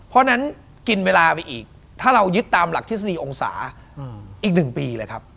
เพราะฉะนั้นกินเวลาไปอีกถ้าเรายึดตามหลักทฤษฎีองศาอีก๑ปีเลยครับ